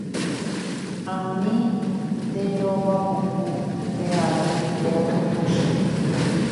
Ani nderovapuku, ndeay térã ndepochy.